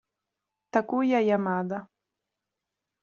Takuya Yamada